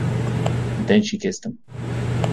And then she kissed him.